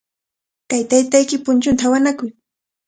Kay taytaykipa punchunta hawnakuy.